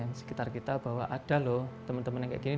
di sekitar kita bahwa ada loh teman teman yang kayak gini